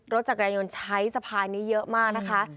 รถจักรยานยนต์ใช้สะพานนี้เยอะมากนะคะ